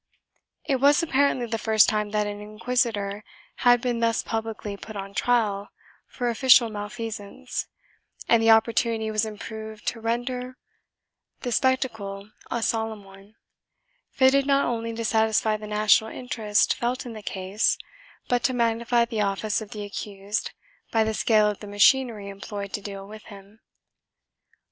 1 It was apparently the first time that an inquisitor had been thus publicly put on trial for official malfeasance and the oppor tunity was improved to render the spectacle a solemn one, fitted not only to satisfy the national interest felt in the case but to magnify the office of the accused by the scale of the machinery employed to deal with him.